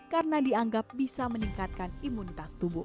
karena dianggap bisa meningkatkan imunitas tubuh